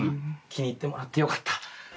気に入ってもらってよかった。